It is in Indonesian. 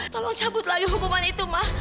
tolong cabutlah ya hukuman itu ma